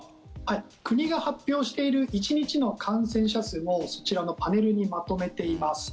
国が発表している１日の感染者数もそちらのパネルにまとめています。